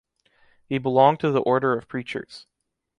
He belonged to the order of preachers.